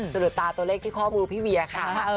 สะดุดตาตัวเลขที่ข้อมือพี่เวียค่ะ